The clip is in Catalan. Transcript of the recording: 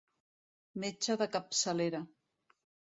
Metge de capçalera.